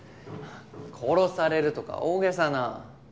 「殺される」とか大げさな。